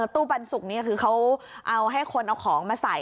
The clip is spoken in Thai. ตู้ปันสุกนี่คือเขาเอาให้คนเอาของมาใส่